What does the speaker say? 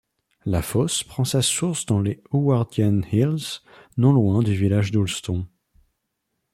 La Foss prend sa source dans les Howardian Hills, non loin du village d'Oulston.